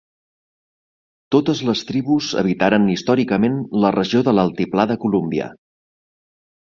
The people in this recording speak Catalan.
Totes les tribus habitaren històricament la regió de l'Altiplà de Columbia.